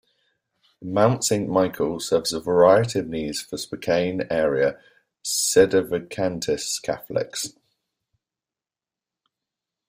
Mount Saint Michael serves a variety of needs for Spokane area sedevacantist Catholics.